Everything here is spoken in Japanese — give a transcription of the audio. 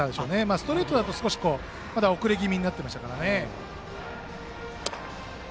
ストレートだと遅れ気味になっていましたから。